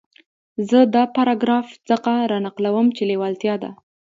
زه دا پاراګراف ځکه را نقلوم چې لېوالتیا ده.